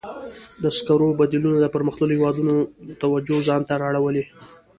د سکرو بدیلونه د پرمختللو هېوادونو توجه ځان ته را اړولې.